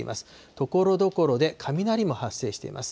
ところどころで雷も発生しています。